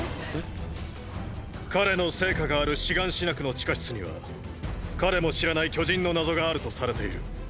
彼の生家があるシガンシナ区の地下室には彼も知らない巨人の謎があるとされている。